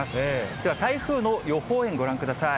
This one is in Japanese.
では台風の予報円ご覧ください。